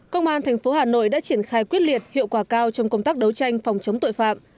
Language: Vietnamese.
công an thành phố hà nội đã triển khai quyết liệt hiệu quả cao trong công tác đấu tranh phòng chống tội phạm